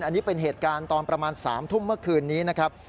อันนี้เป็นเหตุการณ์ตอนประมาณ๓ทุ่มเมื่อคืนนี้นะครับ